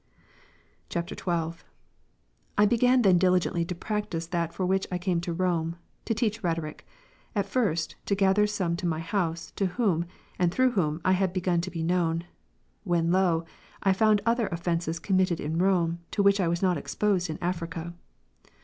[XII.] 22. I began then diligently to practise that for whicli I came to Rome, to teach rhetoric ; and first, to gather some to my house, to whom, and through whom, I had begun to be known ; when lo, I found other offences committed in Rome, to which I Avas not exposed in Africa.